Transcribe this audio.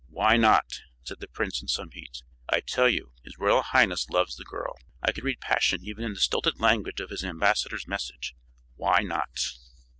"Why not?" said the prince in some heat. "I tell you, his royal highness loves the girl. I could read passion even in the stilted language of his ambassador's message. Why not?"